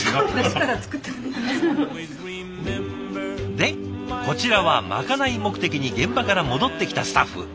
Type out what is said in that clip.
でこちらはまかない目的に現場から戻ってきたスタッフ。